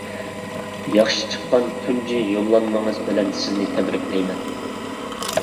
ياخشى چىققان تۇنجى يوللانمىڭىز بىلەن سىزنى تەبرىكلەيمەن.